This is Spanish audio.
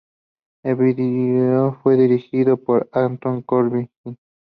El Video fue dirigido por Anton Corbijn